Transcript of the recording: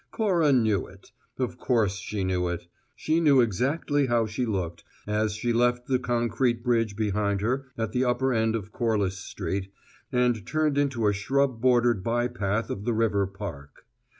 Cora knew it; of course she knew it; she knew exactly how she looked, as she left the concrete bridge behind her at the upper end of Corliss Street and turned into a shrub bordered bypath of the river park.